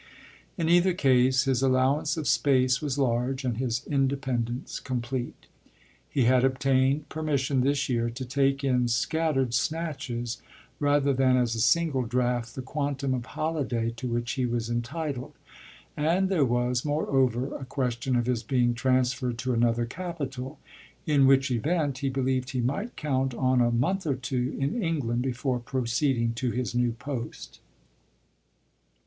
In either case his allowance of space was large and his independence complete. He had obtained permission this year to take in scattered snatches rather than as a single draught the quantum of holiday to which he was entitled; and there was, moreover, a question of his being transferred to another capital in which event he believed he might count on a month or two in England before proceeding to his new post.